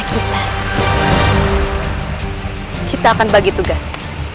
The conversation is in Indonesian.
kita akan bagi tugas